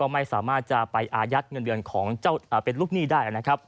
แล้วคุณจะไปอายัดเงินเดือนของเจ้าเป็นลูกหนี้ได้